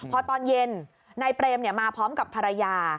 พอตอนเย็นนายเปรมมาพร้อมกับภรรยา